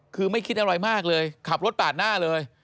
คือไม่คิดอะไรมากเลยขับรถปาดหน้าเลย